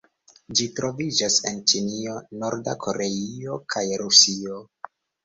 Ĝi troviĝas en Ĉinio, Norda Koreio kaj Rusio.